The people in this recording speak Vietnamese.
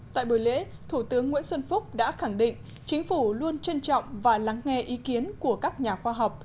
tại buổi lễ thủ tướng nguyễn xuân phúc đã khẳng định chính phủ luôn trân trọng và lắng nghe ý kiến của các nhà khoa học